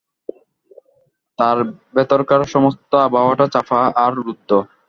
তার ভেতরকার সমস্ত আবহাওয়াটা চাপা আর রুদ্ধ।